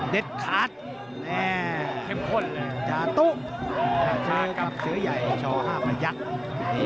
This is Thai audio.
เด็ดคาร์ดแน่เท็มข้นเลยจากตู้อาจเชือกับเสือใหญ่ช่อ๕ประยักษณ์